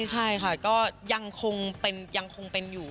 ใช่ค่ะก็ยังคงเป็นอยู่